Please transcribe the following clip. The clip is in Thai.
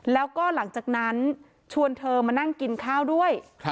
แล้วก็หลังจากนั้นชวนเธอมานั่งกินข้าวด้วย